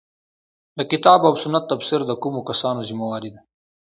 د کتاب او سنت تفسیر د کومو کسانو ذمه واري ده.